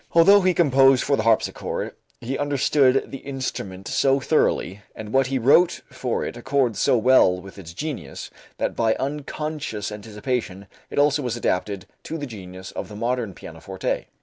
Although he composed for the harpsichord, he understood the instrument so thoroughly and what he wrote for it accords so well with its genius, that by unconscious anticipation it also was adapted to the genius of the modern pianoforte.